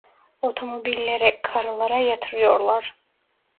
Otomobillere, karılara yatırıyorlar.